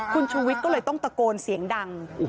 คุณชูวิทย์ก็เลยต้องตะโกนเสียงดัง